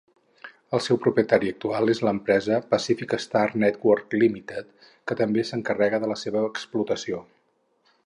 El seu propietari actual és l'empresa Pacific Star Network Limited, que també s'encarrega de la seva explotació.